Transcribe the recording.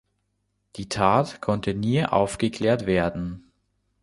Die Tat konnte nie aufgeklärt werden.